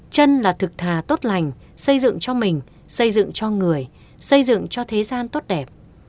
chân là thực thà tốt lành xây dựng cho mình xây dựng cho người xây dựng cho thế gian tốt đẹp